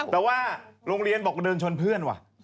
แต่ว่าโรงเรียนบอกเดินชนเพื่อนว่ะ